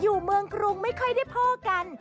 อยู่เมืองกรุงไม่ค่อยได้พ่อกัน